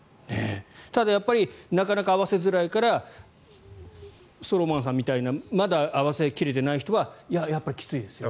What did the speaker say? ただ、なかなか合わせづらいからストローマンさんみたいなまだ合わせ切れてない人はやっぱりきついですよと。